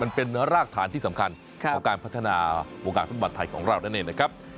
มันเป็นรากฐานที่สำคัญของการพัฒนาวงการศึกบัตรไทยของเรา